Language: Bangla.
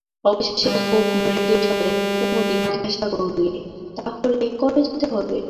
অবশেষে খুব মৃদুস্বরে কুমু জিজ্ঞাসা করলে, তা হলে কবে যেতে হবে?